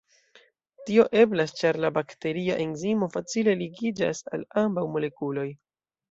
Tio eblas, ĉar la bakteria enzimo facile ligiĝas al ambaŭ molekuloj.